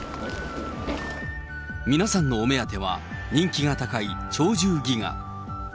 皆さんのお目当ては、人気が高い鳥獣戯画。